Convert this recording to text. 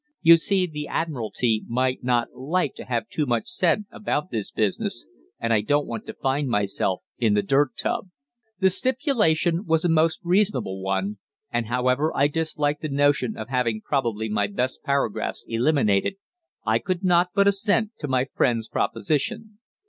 'You see, the Admiralty might not like to have too much said about this business, and I don't want to find myself in the dirt tub.' "The stipulation was a most reasonable one, and however I disliked the notion of having probably my best paragraphs eliminated, I could not but assent to my friend's proposition.